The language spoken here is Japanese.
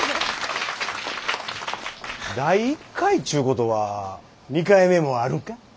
第１回っちゅうことは２回目もあるか？